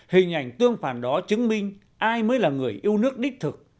hình ảnh tương phản đó chứng minh ai mới là người yêu nước đích thực